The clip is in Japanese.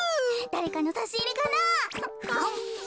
だれかのさしいれかな。